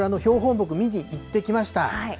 木見に行ってきました。